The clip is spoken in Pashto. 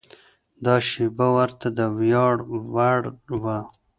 دا شېبه ورته د ویاړ وړ وه.